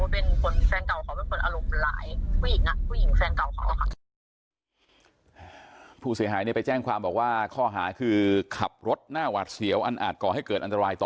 บอกว่าแฟนเก่าเขาเป็นคนอารมณ์หลาย